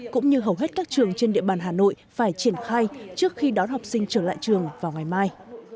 cũng như hầu hết các trường trên địa bàn hà nội phải triển khai trước khi đón học sinh trở lại trường vào ngày mai